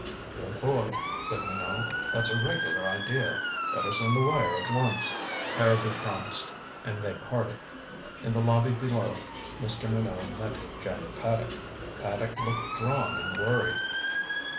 "Good boy," said Minot. "That's a regular idea. Better send the wire at once." Harrowby promised, and they parted. In the lobby below Mr. Minot met Jack Paddock. Paddock looked drawn and worried.